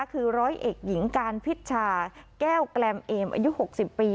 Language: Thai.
คือร้อยเอกหญิงการพิชชาแก้วแกลมเอมอายุ๖๐ปี